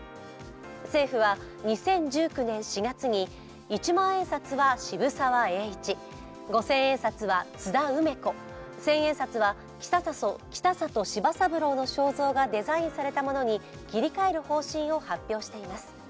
政府は２０１９年４月に一万円札は渋沢栄一、五千円札は津田梅子、千円札は北里柴三郎に切り替える方針を発表しています。